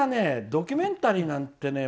ドキュメンタリーなんてね